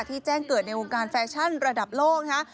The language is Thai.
ที่แจ้งเกิดในโรงการแฟชั่นระดับโลกค่ะ